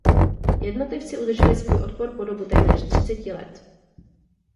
Jednotlivci udrželi svůj odpor po dobu téměř třiceti let.